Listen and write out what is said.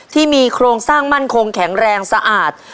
ที่มีโครงสร้างมั่นคงแข็งแรงสะอาด